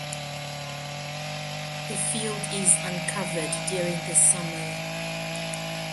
The field is uncovered during the summer.